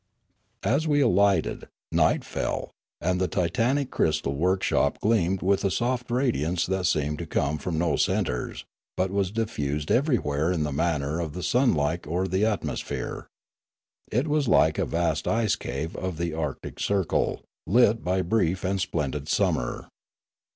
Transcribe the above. As we alighted, night fell, and the titanic crystal workshop gleamed with a soft radiance that seemed to come from no centres, but was diffused everywhere in the manner of the sunlight or the atmosphere. It was like a vast ice cave of the Arctic circle lit by brief and splendid summer.